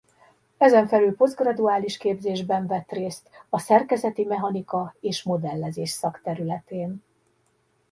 Ezenfelül posztgraduális képzésben vett részt a szerkezeti mechanika és modellezés szakterületén.